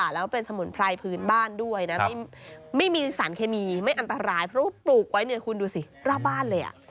แล้วเป็นสมุนไพรพื้นบ้านด้วยนะไม่มีสารเคมีไม่อันตรายเพราะว่าปลูกไว้เนี่ยคุณดูสิรอบบ้านเลย